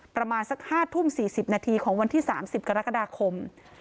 ประมาณสัก๕ทุ่ม๔๐นาทีของวันที่๓๐กรกฎาคม